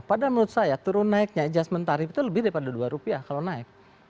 padahal menurut saya turun naiknya adjustment tarif itu lebih daripada dua rupiah kalau naik